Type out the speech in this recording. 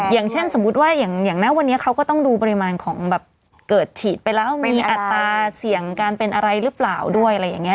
อย่างเช่นสมมุติว่าอย่างนะวันนี้เขาก็ต้องดูปริมาณของแบบเกิดฉีดไปแล้วมีอัตราเสี่ยงการเป็นอะไรหรือเปล่าด้วยอะไรอย่างนี้